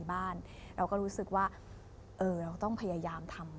แล้วก็๒๓ซื้อบ้านค่ะ